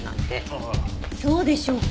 そうでしょうか？